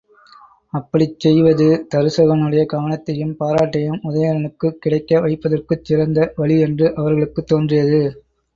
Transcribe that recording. அப்படிச் செய்வது தருசகனுடைய கவனத்தையும் பாராட்டையும் உதயணனுக்குக் கிடைக்க வைப்பதற்குச் சிறந்த வழி என்று அவர்களுக்குத் தோன்றியது.